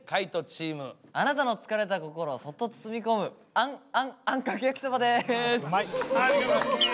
あなたの疲れた心をそっと包み込むあんあんあんかけ焼きそばです。